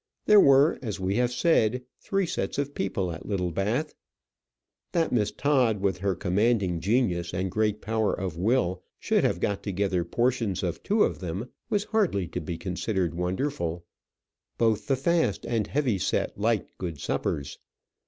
There were, as we have said, three sets of people at Littlebath. That Miss Todd, with her commanding genius and great power of will, should have got together portions of two of them was hardly to be considered wonderful. Both the fast and heavy set liked good suppers.